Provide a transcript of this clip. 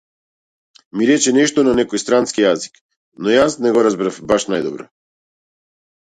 Ми рече нешто на некој странски јазик, но јас не го разбирав баш најдобро.